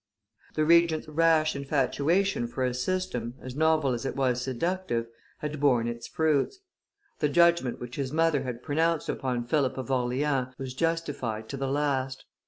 The Regent's rash infatuation for a system, as novel as it was seductive, had borne its fruits. The judgment which his mother had pronounced upon Philip of Orleans was justified to the last.